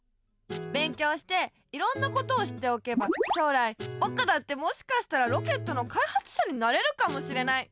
勉強していろんなことを知っておけば将来ぼくだってもしかしたらロケットのかいはつしゃになれるかもしれない。